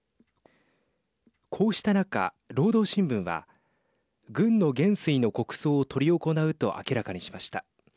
こうした中、労働新聞は軍の元帥の国葬を執り行うと明らかにしました。